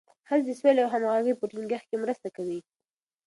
ښځې د سولې او همغږۍ په ټینګښت کې مرسته کوي.